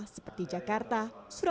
seperti jakarta surabaya dan jawa barat